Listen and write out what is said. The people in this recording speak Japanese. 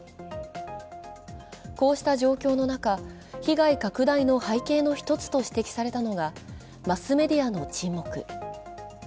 こうした状況の中、被害拡大の背景の１つと指摘されたのがマスメディアの沈黙。